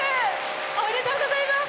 おめでとうございます。